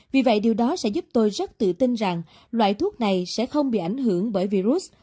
vì vậy điều đó sẽ giúp tôi rất tự tin rằng loại thuốc này sẽ không bị ảnh hưởng bởi virus